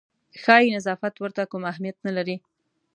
ښایي نظافت ورته کوم اهمیت نه لري.